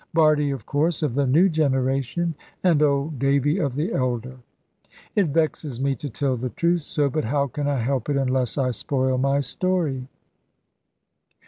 Bardie, of course, of the new generation; and old Davy of the elder. It vexes me to tell the truth so. But how can I help it, unless I spoil my story?